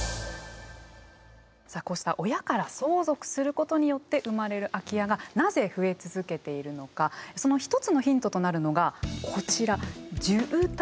さあこうした親から相続することによって生まれる空き家がなぜ増え続けているのかその一つのヒントとなるのがこちら住宅